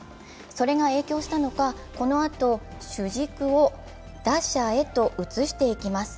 それが影響したのか、このあと主軸を打者へと移していきます。